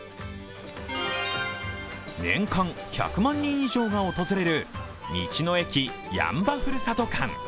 年間１００万人以上が訪れる道の駅八ッ場ふるさと館。